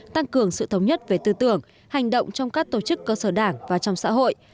tăng cường sự thống nhất về tư tưởng hành động trong các tổ chức cơ sở đảng và trong xã hội